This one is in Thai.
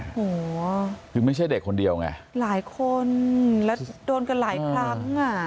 โหคือไม่ใช่เด็กคนเดียวไงหลายคนแล้วโดนกันหลายครั้งอ่ะ